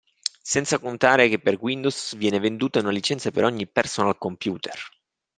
Senza contare che per Windows viene venduta una licenza per ogni personal computer.